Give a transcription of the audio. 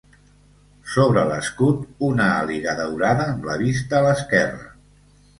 Sobre l'escut una àliga daurada amb la vista a l'esquerra.